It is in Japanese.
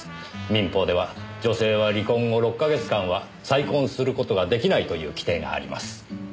民法では女性は離婚後６か月間は再婚する事が出来ないという規定があります。